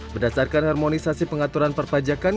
berdasarkan harmonisasi pengaturan perpajakan